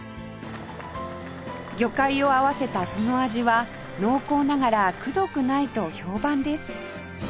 魚介を合わせたその味は濃厚ながらくどくないと評判です